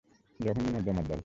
জঘন্য নর্দমার দল!